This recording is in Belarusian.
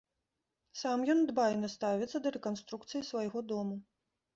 Сам ён дбайна ставіцца да рэканструкцыі свайго дому.